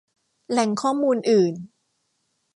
แหล่งข้อมูลอื่น